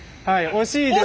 惜しいです。